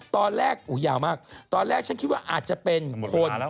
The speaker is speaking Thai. ตอนแรกยาวมากตอนแรกฉันคิดว่าอาจจะเป็นคน